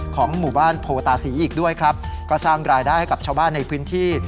ของหมู่บ้านโพตาศรีอีกด้วยครับก็สร้างรายได้ให้กับชาวบ้านในพื้นที่